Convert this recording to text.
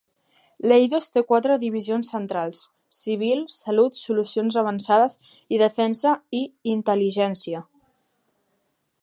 Leidos té quatre divisions centrals: Civil, Salut, Solucions Avançades i Defensa i Intel·ligència.